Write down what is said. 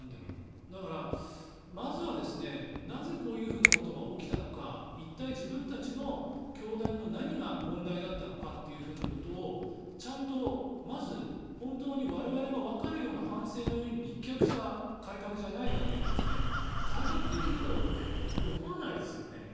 だから、まずは、なぜこういうふうなことが起きたのか一体、自分たちの教団の何が問題だったのかということをちゃんとまず、本当に我々がわかるような反省の上に立脚した改革じゃない限りは改革できるだろうって思わないですよね。